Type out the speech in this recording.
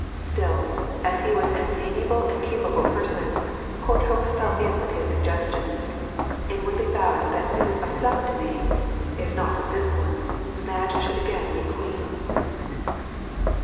Still, as he was an amiable and capable person, Courthope fell in with his suggestion, inwardly vowing that soon of some domain, if not of this one, Madge should again be queen.